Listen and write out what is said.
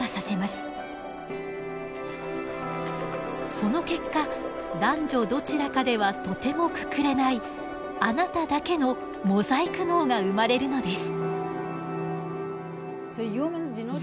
その結果男女どちらかではとてもくくれないあなただけのモザイク脳が生まれるのです。